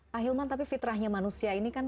pak hilman tapi fitrahnya manusia ini kan